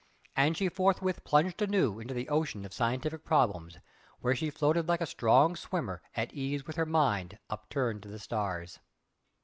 And she forthwith plunged anew into the ocean of scientific problems, where she floated like a strong swimmer at ease with her mind upturned to the stars.